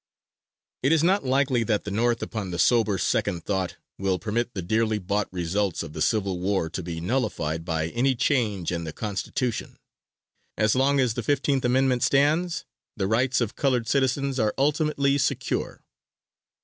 It is not likely that the North, upon the sober second thought, will permit the dearly bought results of the Civil War to be nullified by any change in the Constitution. As long as the Fifteenth Amendment stands, the rights of colored citizens are ultimately secure.